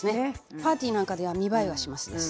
パーティーなんかでは見栄えはしますです。